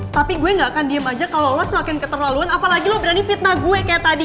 tapi gue gak akan diem aja kalau lo semakin keterlaluan apalagi lo berani fitnah gue kayak tadi